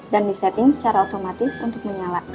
dan disetting secara otomatis untuk menyala